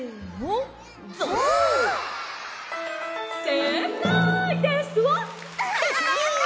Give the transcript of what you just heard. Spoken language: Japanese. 「せいかいですわ！」。